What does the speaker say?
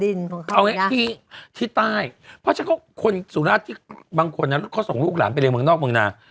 เอาง่ายที่ใต้เพราะฉะนั้นคนสุราชที่บางคนเขาส่งลูกหลานไปเรียนเมืองนอกเมืองนา